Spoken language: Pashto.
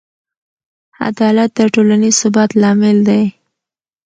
عدالت د ټولنیز ثبات لامل دی.